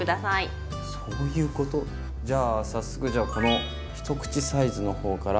じゃあ早速じゃこの一口サイズの方から。